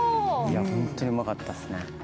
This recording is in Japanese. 本当にうまかったですね。